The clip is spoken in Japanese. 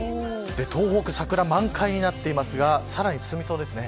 東北、桜満開になっていますがさらに進みそうですね。